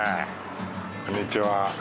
こんにちは